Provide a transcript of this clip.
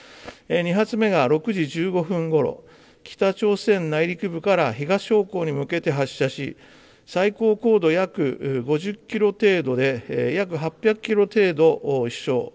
２発目が６時１５分ごろ、北朝鮮内陸部から東方向に向けて発射し、最高高度約５０キロ程度で、約８００キロ程度飛しょう。